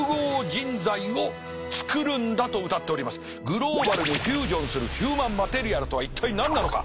グローバルにフュージョンするヒューマンマテリアルとは一体何なのか？